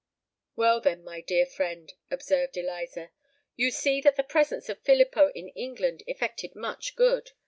"Well, then, my dear friend," observed Eliza, "you see that the presence of Filippo in England effected much good.